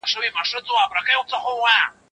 سیاست پوهه غواړي.